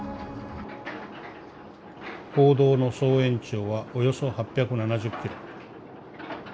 「坑道の総延長はおよそ８７０キロ。